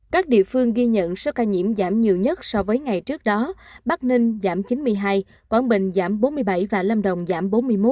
các địa phương ghi nhận số ca nhiễm giảm nhiều nhất so với ngày trước đó bắc ninh giảm chín mươi hai quảng bình giảm bốn mươi bảy và lâm đồng giảm bốn mươi một chín